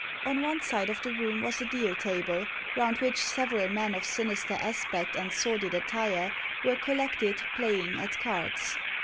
On one side of the room was a deal table, round which several men of sinister aspect and sordid attire were collected, playing, at cards.